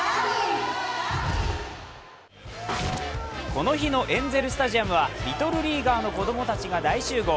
この日のエンゼル・スタジアムはリトルリーガーの子供たちが大集合。